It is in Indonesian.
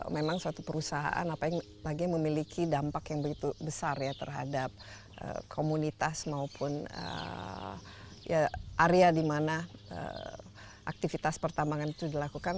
memang suatu perusahaan apalagi memiliki dampak yang begitu besar ya terhadap komunitas maupun area dimana aktivitas pertambangan itu dilakukan